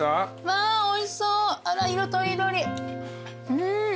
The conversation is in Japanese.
わおいしそうあら色とりどり。